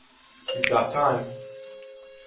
We’ve got time.